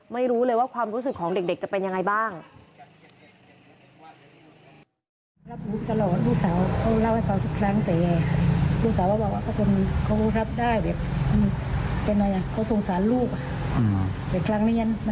ไม่รู้เลยว่าความรู้สึกของเด็กจะเป็นยังไงบ้าง